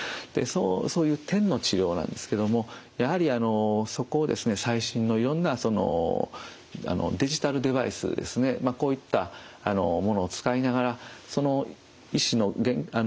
そういう点の治療なんですけどもやはりあのそこをですね最新のいろんなデジタルデバイスですねこういったものを使いながらその医師の限界ですね